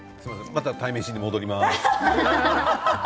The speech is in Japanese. また鯛めしに戻りまーす。